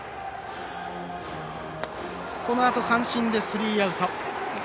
このあと三振でスリーアウト。